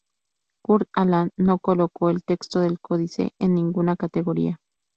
Kurt Aland no colocó el texto del códice en ninguna categoría.